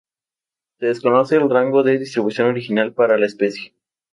Se desconoce el rango de distribución original para la especie.